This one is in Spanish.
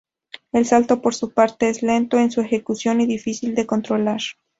El salto, por su parte, es lento en su ejecución y difícil de controlar.